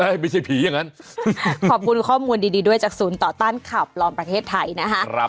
ใช่ไม่ใช่ผีอย่างนั้นขอบคุณข้อมูลดีด้วยจากศูนย์ต่อต้านข่าวปลอมประเทศไทยนะคะ